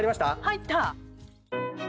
入った！